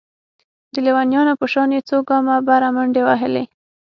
د ليونيانو په شان يې څو ګامه بره منډې وهلې.